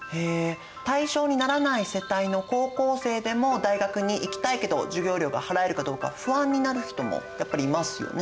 対象にならない世帯の高校生でも大学に行きたいけど授業料が払えるかどうか不安になる人もやっぱりいますよね。